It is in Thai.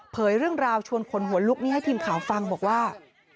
เรื่องราวชวนขนหัวลุกนี้ให้ทีมข่าวฟังบอกว่า